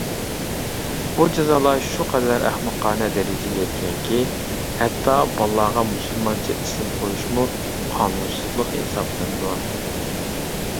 بۇ جازالار شۇ قەدەر ئەخمىقانە دەرىجىگە يەتكەنكى ھەتتا بالىلارغا مۇسۇلمانچە ئىسىم قويۇشمۇ قانۇنسىزلىق ھېسابلىنىدۇ .